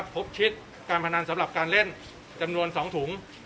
พบชิดการพนันสำหรับการเล่นจำนวน๒ถุง